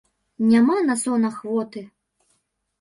Няма на сон ахвоты.